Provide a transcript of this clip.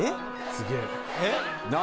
・すげえ・何？